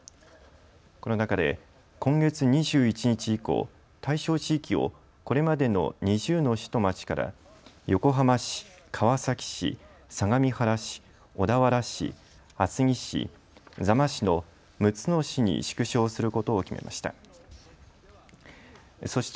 この中で、今月２１日以降対象地域を、これまでの２０の市と町から横浜市、川崎市、相模原市小田原市、厚木市、座間市の６つの市に縮小することを決めました。